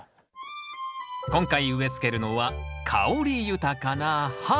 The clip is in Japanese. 今回植えつけるのは香り豊かなハーブ。